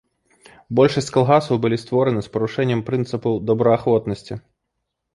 Большасць калгасаў былі створаны з парушэннем прынцыпаў добраахвотнасці.